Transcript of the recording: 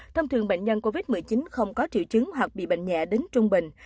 thông thường bệnh nhân covid một mươi chín không có triệu chứng hoặc bị bệnh nhẹ đến trung bình